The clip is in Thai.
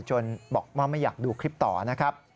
บอกว่าไม่อยากดูคลิปต่อนะครับ